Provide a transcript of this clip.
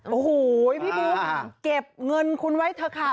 โอ้โหพี่บุ๊คเก็บเงินคุณไว้เถอะค่ะ